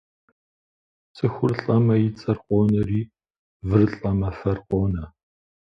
Цӏыхур лӏэмэ и цӏэр къонэри, выр лӏэмэ фэр къонэ.